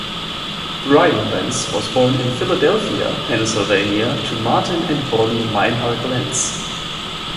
Bryan Lentz was born in Philadelphia, Pennsylvania, to Martin and Bonnie Minehart Lentz.